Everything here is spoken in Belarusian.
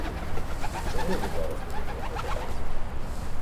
Чаму вы зараз на мяне нападаеце?